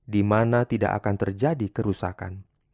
di mana tidak akan terjadi kerusakan